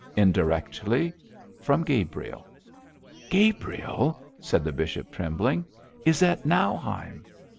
'Indirectly from Gabriel.' 'Gabriel,' said the bishop, trembling, 'is at Nauheim!'